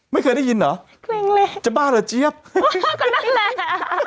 ไม่เคยได้ยินเหรอเกร็งเลยจะบ้าเหรอเจี๊ยบเชื่อก็นั่นแหละ